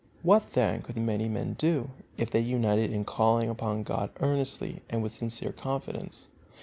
What then could many men do, if they united in calling upon God earnestly and with sincere confidence?